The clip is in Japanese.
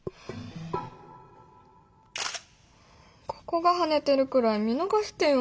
ここがハネてるくらい見逃してよ